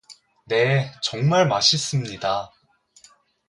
네, 정말 맛있습니다